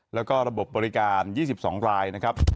แล้วก็ระบบบบริการ๒๒รายนะครับ